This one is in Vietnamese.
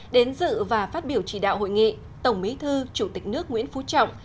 đến dự và phát biểu chỉ đạo hội nghị tổng bí thư chủ tịch nước nguyễn phú trọng